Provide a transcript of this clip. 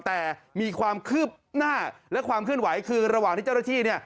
แต่มีความคืบหน้าและความเคลื่อนไหวคือระหว่างที่เจ้าหน้าที่